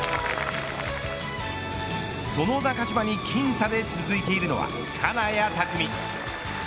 その中島に僅差で続いているのは金谷拓実。